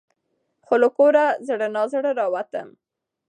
خو له کوره زړه نا زړه راوتم .